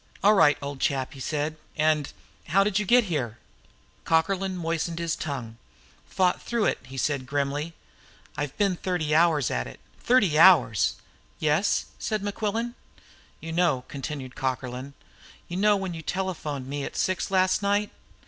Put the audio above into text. "All right, old chap," he said. "And how did you get here?" Cockerlyne moistened his tongue. "Fought through it," he said grimly. "I've been thirty hours at it thirty hours!" "Yes?" said Mequillen. "You know," continued Cockerlyne, "you know when you telephoned to me at six last night?